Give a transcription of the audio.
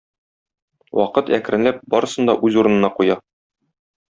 Вакыт әкренләп барсын да үз урынына куя.